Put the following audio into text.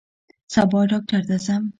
سبا ډاکټر ته ځم